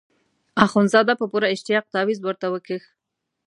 اخندزاده په پوره اشتیاق تاویز ورته وکیښ.